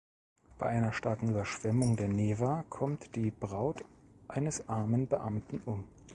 Bei einer starken Überschwemmung der Newa kommt die Braut eines armen Beamten um.